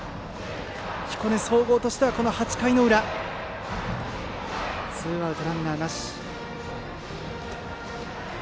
彦根総合としてはこの８回の裏ツーアウトランナーなし。